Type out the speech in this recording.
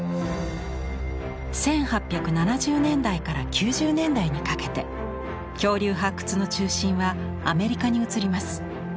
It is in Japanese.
１８７０年代から９０年代にかけて恐竜発掘の中心はアメリカに移ります。